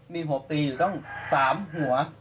มีหัวตีอยู่ตั้ง๓หัว